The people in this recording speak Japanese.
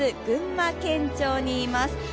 群馬県庁にいます。